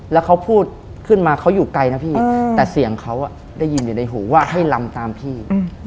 แล้วเขาพูดขึ้นมาเขาอยู่ไกลนะพี่แต่เสียงเขาได้ยินอยู่ในหูว่าให้ลำตามพี่